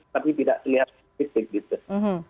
tapi tidak terlihat kritis